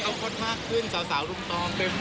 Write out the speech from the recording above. เขาคดมากขึ้นเจ้าสาวรุ่งต้องเต็ม